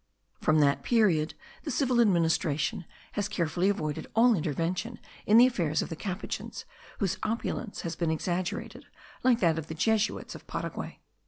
From that period the civil administration has carefully avoided all intervention in the affairs of the Capuchins, whose opulence has been exaggerated like that of the Jesuits of Paraguay.